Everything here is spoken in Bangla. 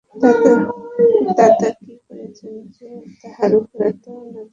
তাতা কী করিয়াছে যে, তাহার উপর এত অনাদর!